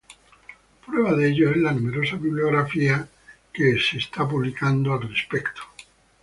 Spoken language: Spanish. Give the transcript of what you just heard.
Prueba de ello es la numerosa bibliografía que se está publicando al respecto.